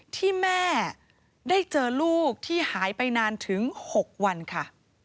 ที่แม่ได้เจอลูกที่หายไปนานถึง๖วันค่ะ